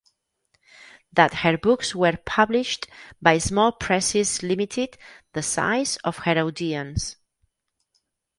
That her books were published by small presses limited the size of her audience.